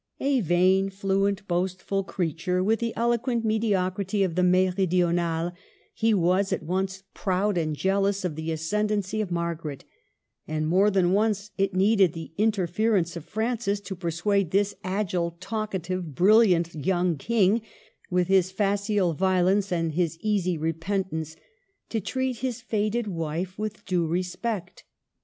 A vain, fluent, boastful creature, with the elo quent mediocrity of the Meridional, he was at once proud and jealous of the ascendency of Margaret; and more than once it needed the interference of Francis to persuade this agile, talkative, brilliant young King, with his facile violence and his easy repentance, to treat his faded wife with due respect.